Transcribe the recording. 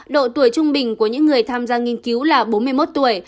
độ tuổi trung bình của những người tham gia nghiên cứu là bốn mươi một tuổi